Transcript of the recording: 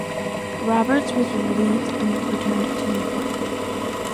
"Roberts" was relieved and returned to Newport.